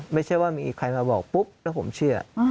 ไม่ใช่ว่ามีใครมาบอกปุ๊บแล้วผมเชื่อ